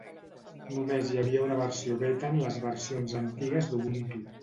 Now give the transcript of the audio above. Només hi havia una versió Beta en les versions antigues d'Ubuntu.